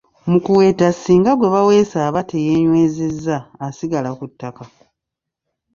Mu kuweta ssinga gwe baweese aba teyeenywezezza asigala ku ttaka.